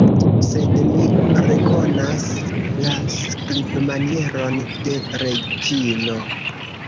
Sed mi rekonas la skribmanieron de Reĝino!